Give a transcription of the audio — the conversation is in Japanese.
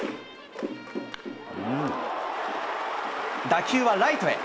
打球はライトへ。